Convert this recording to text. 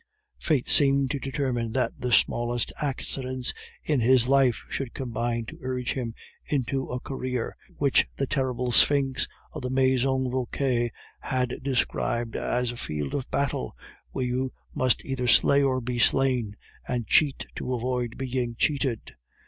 Fate seemed to determine that the smallest accidents in his life should combine to urge him into a career, which the terrible sphinx of the Maison Vauquer had described as a field of battle where you must either slay or be slain, and cheat to avoid being cheated.